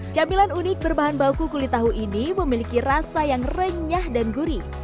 camilan unik berbahan bauku kulit tahu ini memiliki rasa yang renyah dan gurih